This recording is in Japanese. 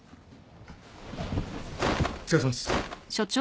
・お疲れさまです。